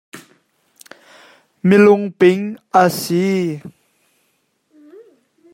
Mi lungping a si.